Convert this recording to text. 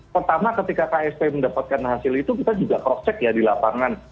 pertama ketika ksp mendapatkan hasil itu kita juga cross check ya di lapangan